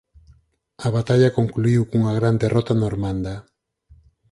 A batalla concluíu cunha gran derrota normanda.